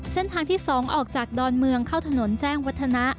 เส้นทางที่๒ออกจากดอนเมืองเข้าถนนแจ้งวัฒนะ